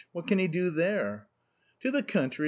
What can he do there ?"{ "To the country